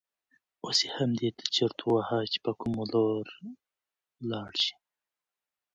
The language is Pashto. اوس یې همدې ته چرت واهه چې په کوم لور ولاړ شي.